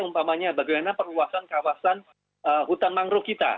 umpamanya bagaimana perluasan kawasan hutan mangrove kita